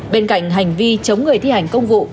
bên cạnh hành vi chống người thi hành công vụ